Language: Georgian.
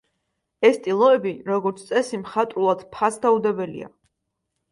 ეს ტილოები, როგორც წესი, მხატვრულად ფასდაუდებელია.